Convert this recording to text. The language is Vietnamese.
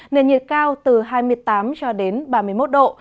nền nhiệt cao từ hai mươi tám cho đến ba mươi một độ